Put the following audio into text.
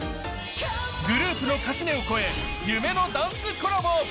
グループの垣根を越え、夢のダンスコラボ。